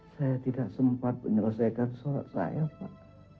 saya tidak sempat menyelesaikan soal saya pak